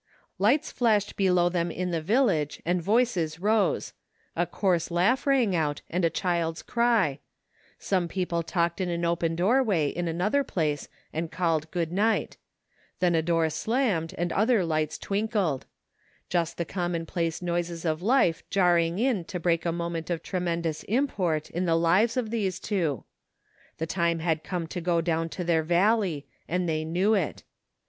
Lights flashed below them in the village and voices rose; a coarse laugh rang out and a child's cry; some people talked in an open doorway in another place and called good night Then a door slammed and other lights twinkled : just the commonplace noises of life jarring in to break a moment of tremendous im port in the lives of these two. The time had come to go down to their valley and they knew it.